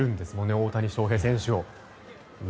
大谷翔平選手を。